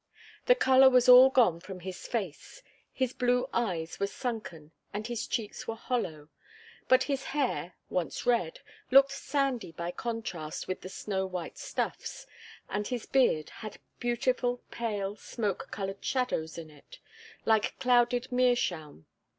The colour was all gone from his face, his blue eyes were sunken and his cheeks were hollow, but his hair, once red, looked sandy by contrast with the snow white stuffs, and his beard had beautiful, pale, smoke coloured shadows in it, like clouded meerschaum.